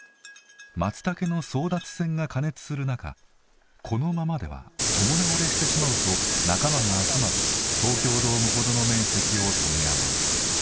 まつたけの争奪戦が過熱する中このままでは共倒れしてしまうと仲間が集まり東京ドームほどの面積を止山に。